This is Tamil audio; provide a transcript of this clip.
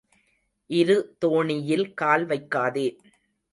இரு தோணியில் கால் வைக்காதே.